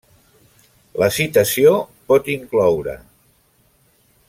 La citació pot incloure: